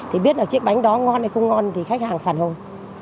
thì biết là chiếc bánh đó ngon hay không ngon thì khách hàng phản hồi